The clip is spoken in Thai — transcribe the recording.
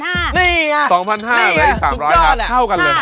๒๕๐๐บาทแล้วอีก๓๐๐บาทครับเข้ากันเลยนะครับนี่แหละทุกก้อน